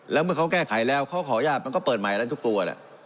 แล้วเมื่อเขาแก้ไขแล้วเขาขออนุญาตมันก็เปิดใหม่แล้วทุกตัวแหละ